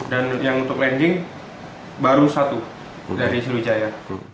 dan yang untuk landing baru satu dari sulujaya